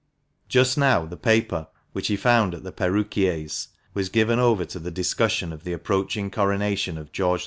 Just now the paper, which he found at the perruquier's, was given over to the discussion of the approaching coronation of George IV.